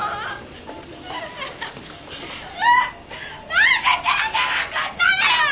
何で手当てなんかしたのよ！？